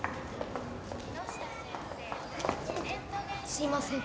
すいません。